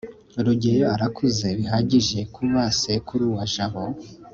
rugeyo arakuze bihagije kuba sekuru wa jabo